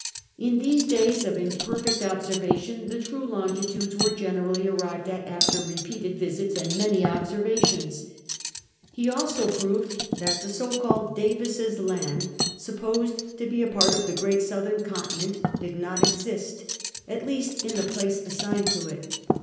In these days of imperfect observation tlie true longitudes were generally arrived at after repeated visits and many observations. He also proved thiit the so called Davis's Tjand, supposed to be a part of the great southern continent, did not exist — at least in the place assigned to it.